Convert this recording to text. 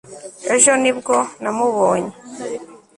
ejo nibwo namubonye